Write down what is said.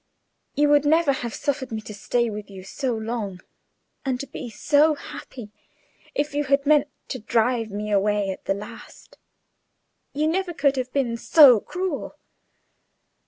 You would never have suffered me to stay with you so long, and to be so happy, if you had meant to drive me away at the last! You never could have been so cruel!"